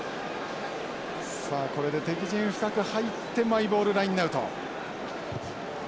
さあこれで敵陣深く入ってマイボールラインアウト。